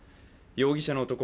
容疑者の男